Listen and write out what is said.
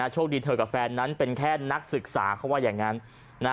โชคดีเธอกับแฟนนั้นเป็นแค่นักศึกษาเขาว่าอย่างนั้น